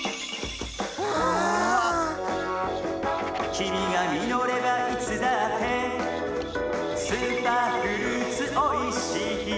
「きみがみのればいつだってスーパーフルーツおいしいよ」